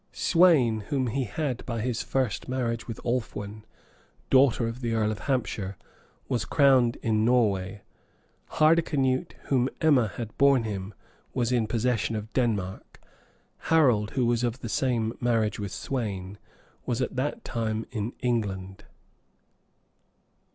Sweyn, whom he had by his first marriage with Alfwen, daughter of the earl of Hampshire, was crowned in Norway: Hardicanute, whom Emma had borne him, was in possession of Denmark: Harold, who was of the same marriage with Sweyn, was at that time in England.